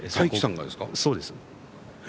そうです。